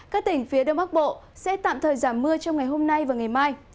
các tỉnh phía đông bắc bộ sẽ tạm thời giảm mưa trong ngày hôm nay và ngày mai